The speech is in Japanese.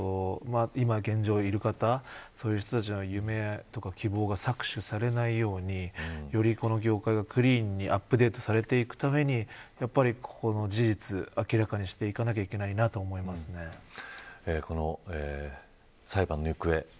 今、現状いる方そういう人たちの夢や希望が搾取されないようにより、この業界をクリーンにアップデートされていくためにここの事実、明らかにしなければいけないなと裁判の行方。